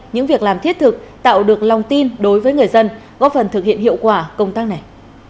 những việc làm thiết thực tạo được lòng tin đối với người dân góp phần thực hiện hiệu quả công tác này